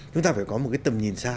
chúng ta phải có một cái tầm nhìn xa